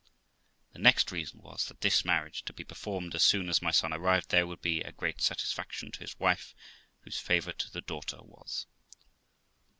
The next reason was, that this marriage, to be performed as soon as my son arrived there, would be a great satisfaction to his wife, whose favourite the daughter was.